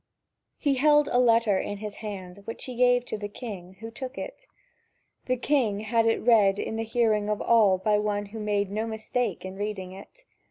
He held a letter in his hand which he gave to the king, who took it. The king had it read in the hearing of all by one who made no mistake in reading it.